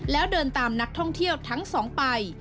แล้วเดินตามนักท่องเที่ยวทั้งสองไป